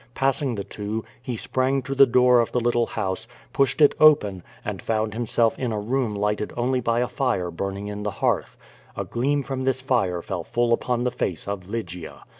Passing the two, he sprang to the door of the little house, pushed it open, and found himself in a room lighted only by a fire burn ing in the hearth. A gleam from this fire fell full upon the face of Lygia.